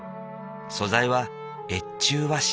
素材は越中和紙。